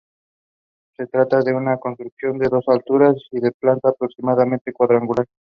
Se trata de una construcción de dos alturas y de planta aproximadamente cuadrangular.